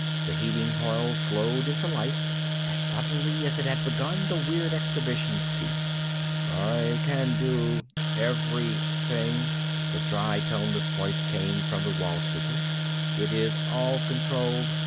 The heating coils glowed into life. As suddenly as it had begun the weird exhibition ceased. "I can do everything," the dry, toneless voice came from the wall speaker. "It is all controlled.